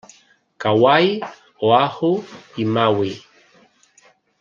Kauai, Oahu i Maui.